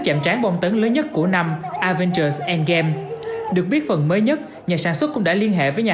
chạm trán bom tấn lớn nhất của năm avengers endgame được biết phần mới nhất nhà sản xuất cũng đã liên